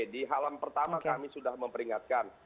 di halam pertama kami sudah memperingatkan